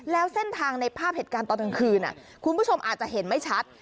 แล้วเส้นทางในภาพเหตุการณ์ตอนกลางคืนคุณผู้ชมอาจจะเห็นไม่ชัด